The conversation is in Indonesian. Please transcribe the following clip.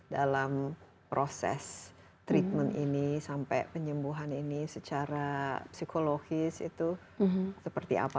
dalam proses treatment ini sampai penyembuhan ini secara psikologis itu seperti apa